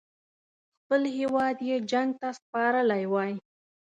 خپل هیواد یې جنګ ته سپارلی وای.